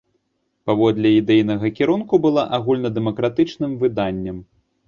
Паводле ідэйнага кірунку была агульнадэмакратычным выданнем.